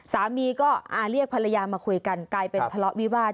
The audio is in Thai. สามีก็เรียกภรรยามาคุยกันกลายเป็นทะเลาะวิวาส